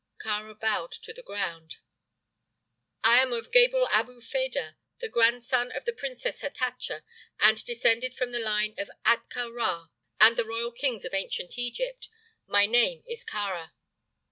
Kāra bowed to the ground. "I am of Gebel Abu Fedah, the grandson of the Princess Hatatcha, and descended from the line of Ahtka Rā and the royal kings of ancient Egypt. My name is Kāra."